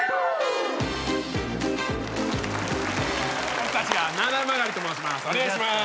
僕たちはななまがりと申します。